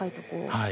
はい。